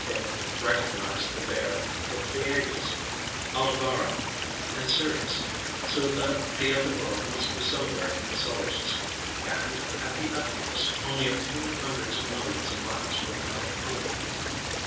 Cave recognised the Bear, the Pleiades, Aldebaran, and Sirius: so that the other world must be somewhere in the solar system, and, at the utmost, only a few hundreds of millions of miles from our own.